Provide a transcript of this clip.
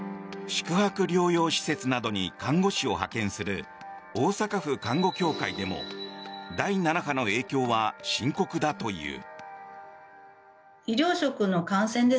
宿泊療養施設などに看護師を派遣する大阪府看護協会でも第７波の影響は深刻だという。